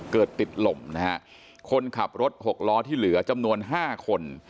เกิดติดลมนะฮะคนขับรถหกล้อที่เหลือจำนวน๕คน